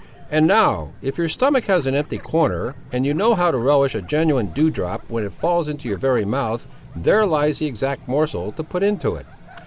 And now, if your stomach has an empty corner, and you know how to relish a genuine dew drop when it falls into your very mouth, there lies the exact morsel to put into it.